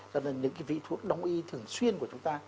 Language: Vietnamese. cho nên những cái vị thuốc đóng y thường xuyên của chúng ta